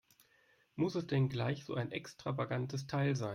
Muss es denn gleich so ein extravagantes Teil sein?